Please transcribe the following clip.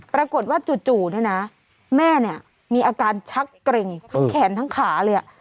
ปรากฏว่าจู่แม่มีอาการชักเกร็งทั้งแขนทั้งขาเลยอะ